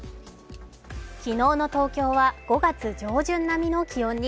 昨日の東京は５月上旬並みの気温に。